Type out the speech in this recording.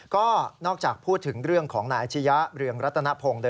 ก็นอกจากพูดถึงเรื่องของนายอาชียะเรืองรัตนพงศ์